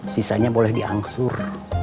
sisanya boleh diangsur